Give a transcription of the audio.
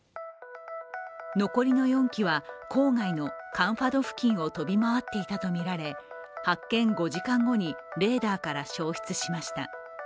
残りの４機は郊外のカンファド付近を飛び回っていたとみられ発見５時間後にレーダーから消失しました。